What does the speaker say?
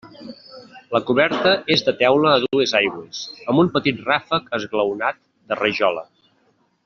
La coberta és de teula a dues aigües, amb un petit ràfec esglaonat, de rajola.